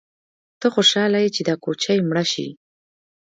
_ته خوشاله يې چې دا کوچۍ مړه شي؟